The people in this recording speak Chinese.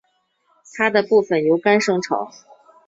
它们部分由肝生成。